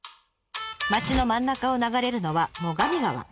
町の真ん中を流れるのは最上川。